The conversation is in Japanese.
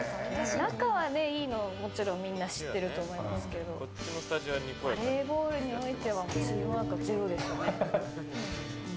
仲がいいのはもちろんみんな知ってると思いますけどバレーボールにおいてはチームワークゼロでしたね。